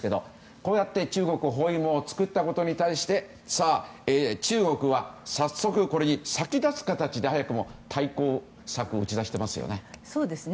こうやって中国包囲網を作ったことに対して中国は早速、これに先立つ形で早くも対抗策を打ち出してますよね。